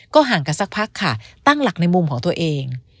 ห่างกันสักพักค่ะตั้งหลักในมุมของตัวเอง